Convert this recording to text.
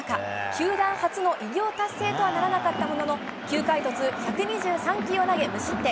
球団初の偉業達成とはならなかったものの、９回途中、１２３球を投げ、無失点。